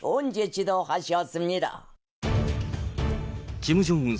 キム・ジョンウン